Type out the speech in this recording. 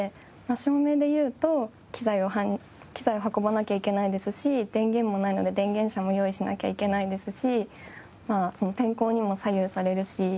照明でいうと機材を運ばなきゃいけないですし電源もないので電源車も用意しなきゃいけないですし天候にも左右されるし。